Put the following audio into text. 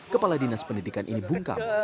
kepala dinas pendidikan ini bungkam